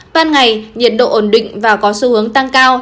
ban ngày nhiệt độ ổn định và có xu hướng tăng cao